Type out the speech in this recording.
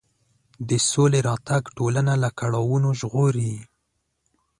د سولې راتګ ټولنه له کړاوونو ژغوري.